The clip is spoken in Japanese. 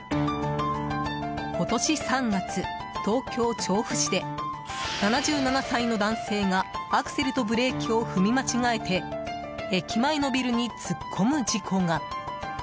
今年３月、東京・調布市で７７歳の男性がアクセルとブレーキを踏み間違えて駅前のビルに突っ込む事故が。